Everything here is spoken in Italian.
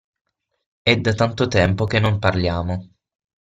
È da tanto tempo che non parliamo.